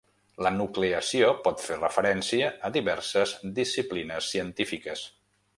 La nucleació pot fer referència a diverses disciplines científiques.